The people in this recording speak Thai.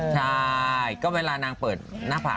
ใช่ก็เวลานางเปิดหน้าผาก